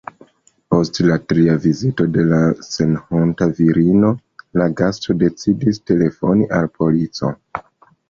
Post la tria vizito de la senhonta virino la gasto decidis telefoni al polico.